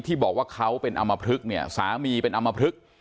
บอกว่าเขาเป็นอำมพลึกเนี่ยสามีเป็นอำมพลึก